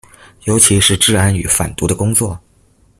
尤其是治安與反毒的工作